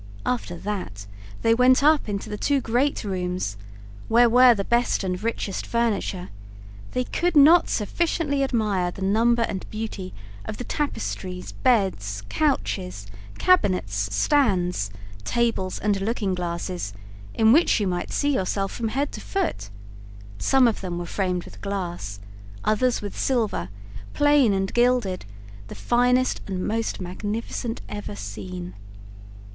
After that they went up into the two great rooms, where were the best and richest furniture; they could not sufficiently admire the number and beauty of the tapestries, beds, couches, cabinets, stands, tables, and looking glasses, in which you might see yourself from head to foot; some of them were framed with glass, others with silver, plain and gilded, the finest and most magnificent ever seen.